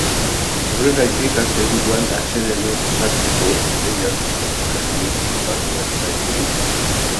Horregatik, asteburuan atsedenik ez hartzeko deia luzatu nahi diegu parte-hartzaileei.